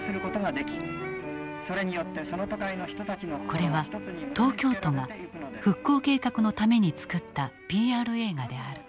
これは東京都が復興計画のために作ったＰＲ映画である。